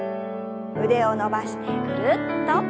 腕を伸ばしてぐるっと。